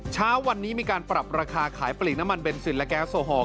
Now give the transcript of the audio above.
เช้าวันนี้มีการปรับราคาขายปลีกน้ำมันเบนซินและแก๊สโซฮอล